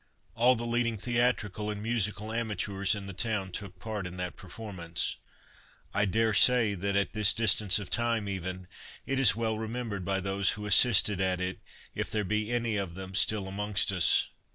All the leading theatrical and musical amateurs in the town took part in that performance. I dare say that, at this distance of time even, it is well remembered by those who assisted at it, if there be any of them still amongst as.